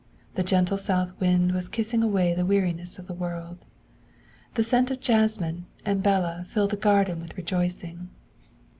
The gentle south wind was kissing away the weariness of the world. The scent of jasmine and bela filled the garden with rejoicing.